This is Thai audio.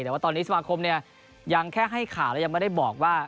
แต่ว่าตอนนี้สมาคมเนี่ยยังแค่ให้ข่าวและยังไม่ได้บอกว่า